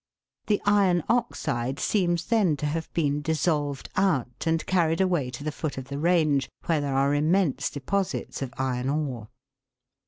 The iron oxide seems then to have been dissolved out and carried away to the foot of the range, where there are immense deposits of iron ore.